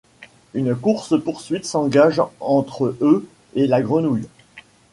Une course poursuite s'engage entre eux et la grenouille.